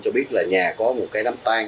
cho biết là nhà có một cái đám tan